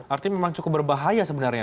artinya memang cukup berbahaya sebenarnya